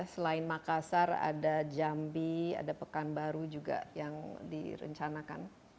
selain makassar ada jambi ada pekanbaru juga yang direncanakan